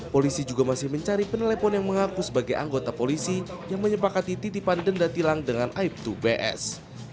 polisi juga masih mencari penelepon yang mengaku sebagai anggota polisi yang menyepakati titipan denda tilang dengan aib dua bs